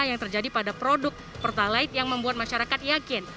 yang terjadi pada produk pertalite yang membuat masyarakat yakin